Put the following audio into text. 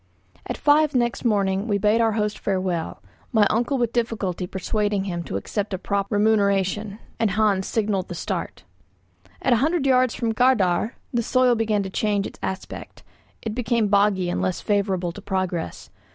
At five next morning we bade our host farewell, my uncle with difficulty persuading him to accept a proper remuneration; and Hans signalled the start. At a hundred yards from Gardär the soil began to change its aspect; it became boggy and less favourable to progress.